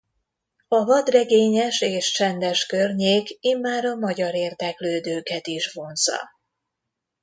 A vadregényes és csendes környék immár a magyar érdeklődőket is vonzza.